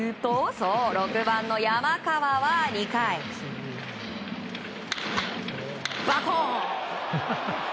そう、６番の山川は２回バコーン！